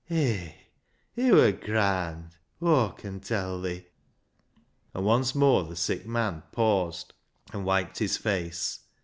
Hay, it wur graand, Aw con tell thi," and once more the sick man paused and wiped his face.